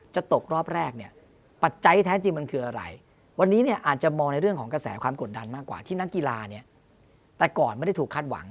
จริงมันคืออะไรวันนี้เนี่ยอาจจะมองในเรื่องของกระแสความกดดันมากกว่าที่นักกีฬาเนี่ยแต่ก่อนไม่ได้ถูกคาดหวัง